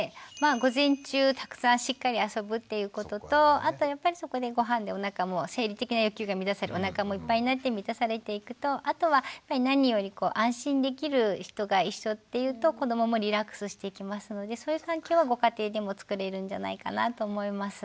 午前中たくさんしっかり遊ぶっていうこととあとやっぱりそこでごはんでおなかも生理的な欲求が満たされるおなかもいっぱいになって満たされていくとあとはやっぱり何より安心できる人が一緒っていうと子どももリラックスしていきますのでそういう環境はご家庭でも作れるんじゃないかなと思います。